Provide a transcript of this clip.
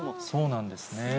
そうなんですね。